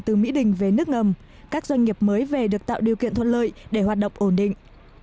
từ mỹ đình về nước ngầm các doanh nghiệp mới về được tạo điều kiện thuận lợi để hoạt động ổn định